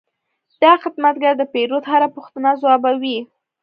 دا خدمتګر د پیرود هره پوښتنه ځوابوي.